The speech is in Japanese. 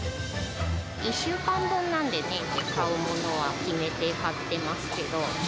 １週間分なので、全部買うものは決めて買ってますけど。